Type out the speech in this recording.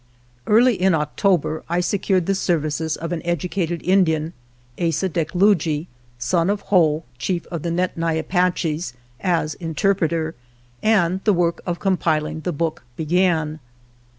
Early in October I secured the services of an educated Indian, Asa Deklugie, son of Whoa, chief of the Nedni Apaches, as in terpreter, and the work of compiling the book began.